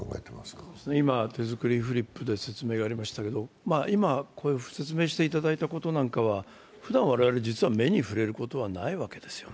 今、手作りフリップで説明ありましたけど今説明していただいたことなんかはふだん我々の目に触れることなんかはないわけですよね。